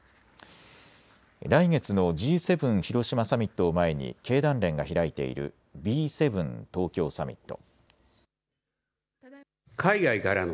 来月のＧ７広島サミットを前に経団連が開いているＢ７東京サミット。